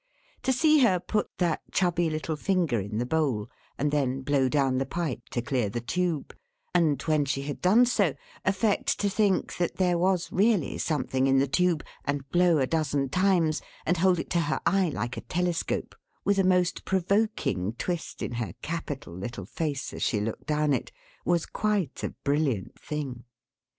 To see her put that chubby little finger in the bowl, and then blow down the pipe to clear the tube; and when she had done so, affect to think that there was really something in the tube, and blow a dozen times, and hold it to her eye like a telescope, with a most provoking twist in her capital little face, as she looked down it; was quite a brilliant thing.